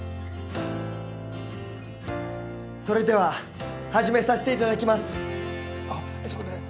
それでは始めさせていただきます。